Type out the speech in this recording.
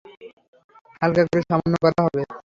হালকা করে সামান্য কঁরা হবে।